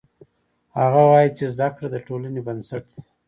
هغه وایي چې زده کړه د ټولنې بنسټ ده